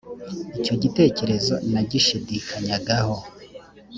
icyo gitekerezo nagishidikanyagaho